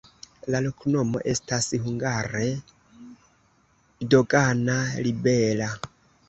La loknomo estas hungare: dogana-libera.